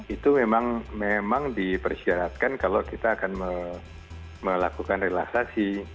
itu memang dipersyaratkan kalau kita akan melakukan relaksasi